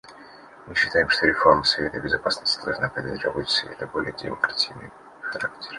Мы считаем, что реформа Совета Безопасности должна придать работе Совета более демократичный характер.